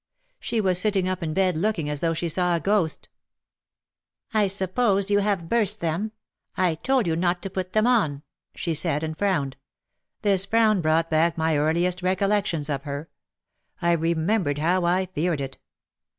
She was sitting up in bed looking as though she saw a ghost. "I suppose you have burst them. I told you not to put them on," she said and frowned. This frown brought back my earliest recollections of her. I remembered how I feared it.